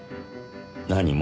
何も。